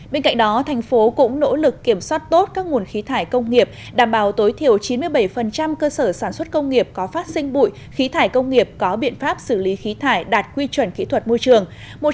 bên cạnh đó thành phố cũng nỗ lực kiểm soát tốt các nguồn khí thải công nghiệp đảm bảo tối thiểu chín mươi bảy cơ sở sản xuất công nghiệp có phát sinh bụi khí thải công nghiệp có biện pháp xử lý khí thải đạt quy chuẩn kỹ thuật môi trường